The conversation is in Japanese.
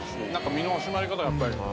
身の締まり方がやっぱり。